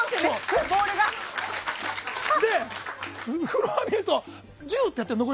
で、フロアを見ると残り１０ってやってる。